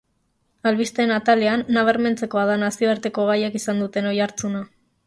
Albisteen atalean, nabarmentzekoa da nazioarteko gaiek izan duten oihartzuna.